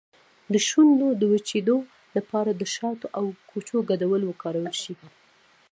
د شونډو د وچیدو لپاره د شاتو او کوچو ګډول وکاروئ